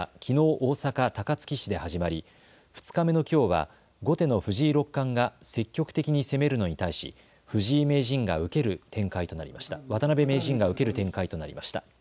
大阪高槻市で始まり２日目のきょうは後手の藤井六冠が積極的に攻めるのに対し渡辺名人が受ける展開となりました。